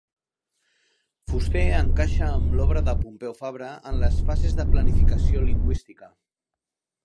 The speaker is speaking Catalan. Fuster, encaixa amb l'obra de Pompeu Fabra en les fases de planificació lingüística.